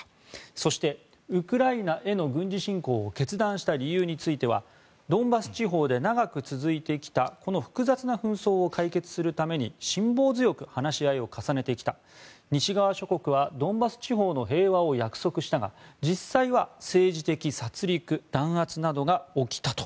そしてウクライナへの軍事侵攻を決断した理由についてはドンバス地方で長く続いてきたこの複雑な紛争を解決するために辛抱強く話し合いを重ねてきた西側諸国はドンバス地方の平和を約束したが実際は政治的殺りく弾圧などが起きたと。